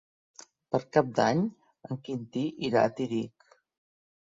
Per Cap d'Any en Quintí irà a Tírig.